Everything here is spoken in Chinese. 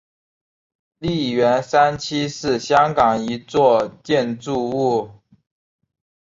利园三期是香港一座建筑物。